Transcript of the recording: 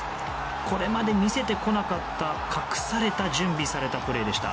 これまで見せてこなかった隠された準備されたプレーでした。